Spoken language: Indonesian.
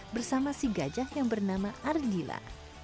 bersama si gajah yang bernama ardila